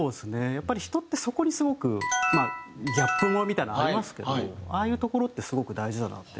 やっぱり人ってそこにすごくギャップ萌えみたいなのがありますけどああいうところってすごく大事だなって。